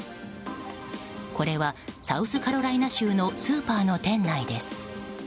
これは、サウスカロライナ州のスーパーの店内です。